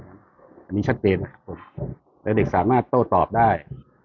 อันนี้ชัดเจนนะครับและเด็กสามารถโต้ตอบได้